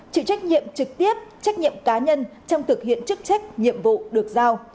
chịu trách nhiệm trực tiếp trách nhiệm cá nhân trong thực hiện chức trách nhiệm vụ được giao